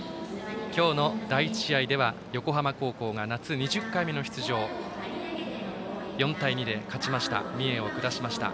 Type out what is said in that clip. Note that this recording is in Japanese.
今日の第１試合では横浜高校が夏２０回目の出場４対２で三重を下して勝ちました。